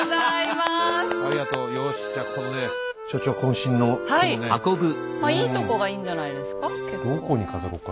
まあいいとこがいいんじゃないんですか。